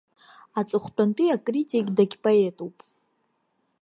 Аҵыхәтәантәи акритик дагьпоетуп.